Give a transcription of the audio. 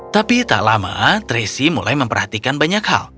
tapi tak lama tracy mulai memperhatikan banyak hal